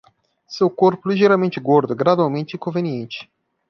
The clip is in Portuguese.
Seu corpo ligeiramente gordo é gradualmente inconveniente